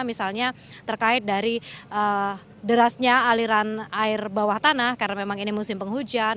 misalnya terkait dari derasnya aliran air bawah tanah karena memang ini musim penghujan